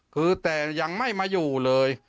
คือแต่ยังไม่มาอยู่เลย